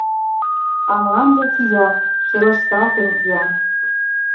А мланде кия, шелышталтын кия...